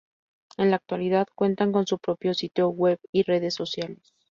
En la actualidad cuentan con su propio sitio web y redes sociales.